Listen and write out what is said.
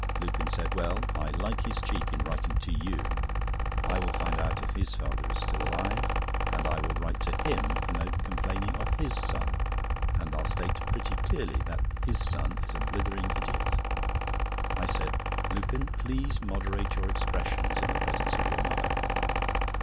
Lupin said: "Well, I like his cheek in writing to you. I'll find out if his father is still alive, and I will write him a note complaining of his son, and I'll state pretty clearly that his son is a blithering idiot!" I said: "Lupin, please moderate your expressions in the presence of your mother."